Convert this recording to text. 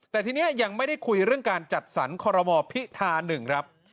แต่ทีนี้ยังไม่ได้คุยเรื่องการจัดสรรคอรมอพิธา๑ครับ